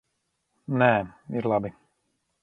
Nē, ir labi.